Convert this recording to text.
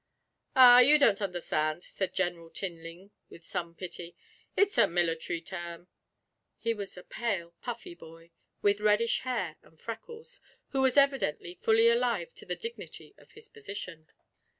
'Ah, you don't understand,' said General Tinling with some pity. 'It's a military term.' He was a pale, puffy boy, with reddish hair and freckles, who was evidently fully alive to the dignity of his position.